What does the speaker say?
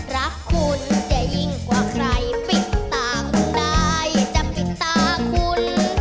รักคุณจะยิ่งกว่าใครปิดต่างได้จะปิดตาคุณ